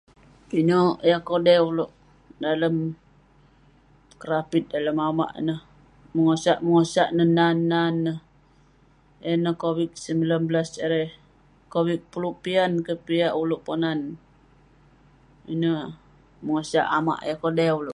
pinek yah kodai ulouk dalem kerapit, dalem amak ineh, bengosak bengosak neh, nan nan neh, yan neh COVID19 erei, kovid puluk pian keh piak ulouk ponan ,ineh bengosak amak yah kodai ulouk